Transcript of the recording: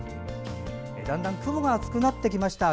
だんだん雲が厚くなってきました。